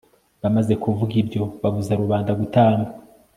bamaze kuvuga ibyo babuza rubanda gutamba